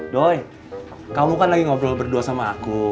doy kamu kan lagi ngobrol berdua sama aku